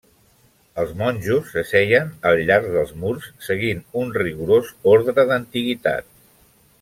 Els monjos s'asseien al llarg dels murs seguint un rigorós ordre d'antiguitat.